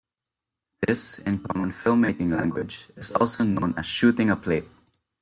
This, in common film-making language, is also known as shooting a "plate".